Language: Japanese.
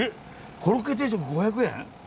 コロッケ定食５００円？